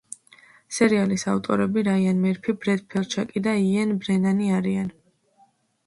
სერიალის ავტორები რაიან მერფი, ბრედ ფელჩაკი და იენ ბრენანი არიან.